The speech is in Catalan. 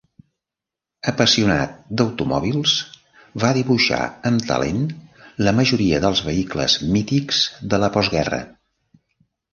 Apassionat d'automòbils, va dibuixar amb talent la majoria dels vehicles mítics de la postguerra.